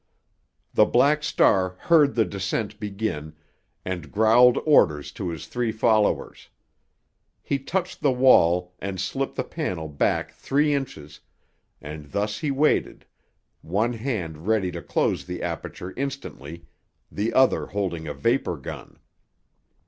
The Black Star heard the descent begin, and growled orders to his three followers. He touched the wall and slipped the panel back three inches, and thus he waited, one hand ready to close the aperture instantly, the other holding a vapor gun.